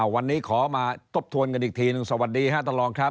วันนี้ขอมาทบทวนกันอีกทีหนึ่งสวัสดีครับท่านรองครับ